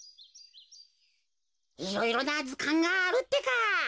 いろいろなずかんがあるってか。